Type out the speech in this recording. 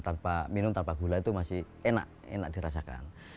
tanpa minum tanpa gula itu masih enak enak dirasakan